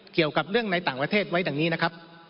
เกี่ยวกับเรื่องในต่างประเทศไว้ดังนี้นะครับ